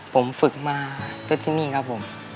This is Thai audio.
ผมฝึกมาที่นี่ครับผม